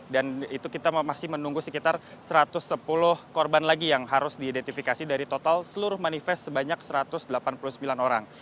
dan itu kita masih menunggu sekitar satu ratus sepuluh korban lagi yang harus diidentifikasi dari total seluruh manifest sebanyak satu ratus delapan puluh sembilan orang